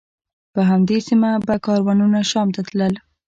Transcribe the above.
په همدې سیمه به کاروانونه شام ته تلل.